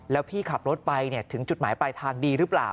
แล้วพี่ขับรถไปถึงจุดหมายปลายทางดีหรือเปล่า